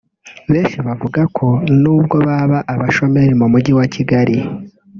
Benshi bavuga ko nubwo baba abashomeri mu Mujyi wa Kigali